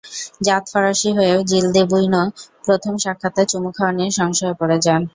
জাত ফরাসি হয়েও জিল দেবুইনো প্রথম সাক্ষাতে চুমু খাওয়া নিয়ে সংশয়ে পড়ে যান।